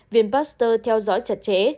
viên pasteur theo dõi chặt chẽ